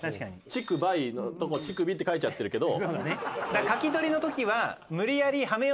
チクバイのとこ乳首って書いちゃってるけど。